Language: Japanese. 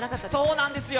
そうなんですよ